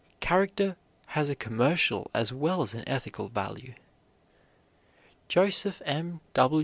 Character has a commercial as well as an ethical value. Joseph M.